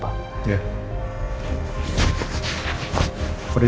kamu juga udah nelfon dokter